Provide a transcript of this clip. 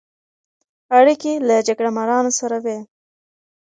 اړیکې له جګړه مارانو سره وې.